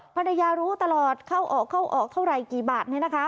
ภรรยารู้ตลอดเข้าออกเข้าออกเท่าไหร่กี่บาท